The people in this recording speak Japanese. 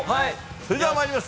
それではまいります。